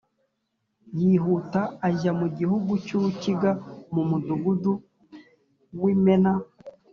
yihuta ajya mu gihugu cy urukiga mu mudugudu w imena